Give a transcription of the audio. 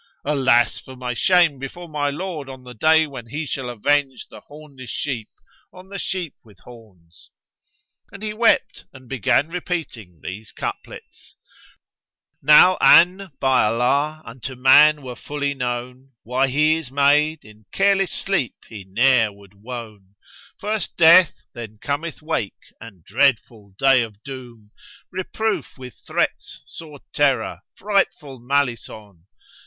Alas for my shame before my Lord on the day when He shall avenge the hornless sheep on the sheep with horns!''[FN#147] And he wept and began repeating these couplets, "Now an, by Allah, unto man were fully known * Why he is made, in careless sleep he ne'er would wone: First Death, then cometh Wake and dreadful Day of Doom, * Reproof with threats sore terror, frightful malison.